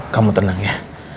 kamu tenang ya